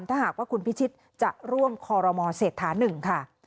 ถ้าหากว่าคุณพิชิตจะร่วมคอรมอเศรษฐานึงค่ะ